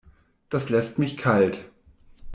Das lässt mich kalt.